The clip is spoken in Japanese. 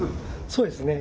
そうですね。